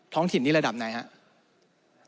ท้องถิ่นนี่ระดับไหนครับ